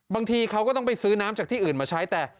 บางทีเขาก็ต้องไปซื้อน้ำจากที่อื่นมาใช้แต่